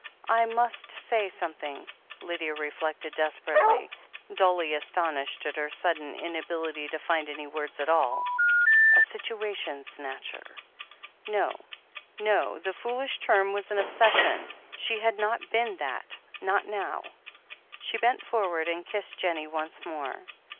"I must say something," Lydia reflected desperately, dully astonished at her sudden inability to find any words at all. A situation snatcher. No— no— the foolish term was an obsession ; she had not been that — ^not now She bent forward and kissed Jennie once more.